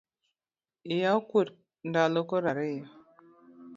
Iya okuot ndalo koro ariyo